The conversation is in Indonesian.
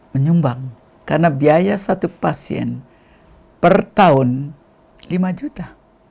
menyumbang karena biaya satu pasien per tahun lima juta